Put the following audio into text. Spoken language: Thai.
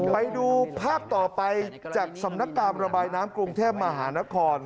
ไปดูภาพต่อไปจากสำนักการณ์ระบายน้ำกรุงเทพมหานคร